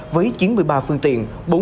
với chín mươi ba phương tiện